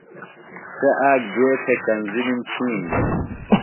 سےۡ آک دُیہ تھےۡ کنزِلِم تِھین دےۡ۔